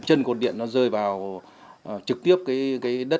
chân cột điện nó rơi vào trực tiếp cái đất của nhà ông đại